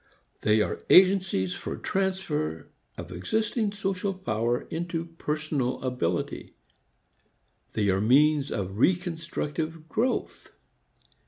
They are agencies for transfer of existing social power into personal ability; they are means of reconstructive growth.